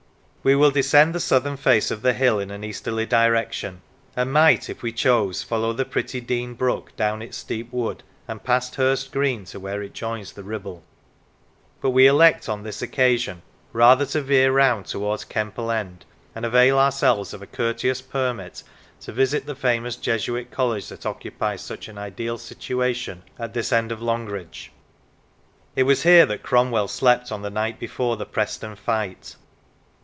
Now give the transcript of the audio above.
We will descend the southern face of the hill in an easterly direction, and might, if we chose, follow the pretty Dean Brook down its steep wood, and past Hurst Green to where it joins the Kibble; but we elect on this occasion rather to veer round towards Kemple End, and avail ourselves of a courteous permit to visit the famous Jesuit college that occupies such an ideal situation at this end of Longridge. It was here that Cromwell slept on the night before the Preston fight.